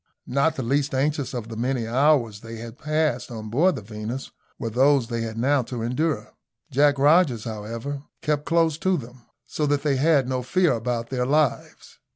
Not the least anxious of the many anxious hours they had passed on board the Venus were those they had now to endure. Jack Rogers, however, kept close to them, so that they had no fear about their lives.